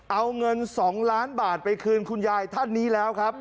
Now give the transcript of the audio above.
เอาเงิน๒ล้านบาทไปคืนคุณยายท่านนี้แล้วครับ